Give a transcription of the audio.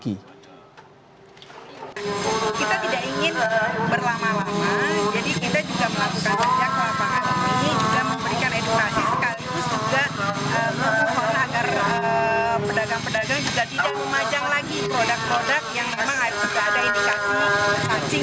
kita tidak ingin berlama lama jadi kita juga melakukan kerja ke lapangan ini